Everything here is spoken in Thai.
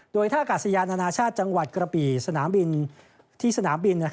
โดยท่ากาศยานอนาชาติจังหวัดกระปีที่สนามบิน